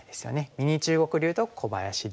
ミニ中国流と小林流。